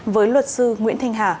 với luật sư nguyễn thanh hà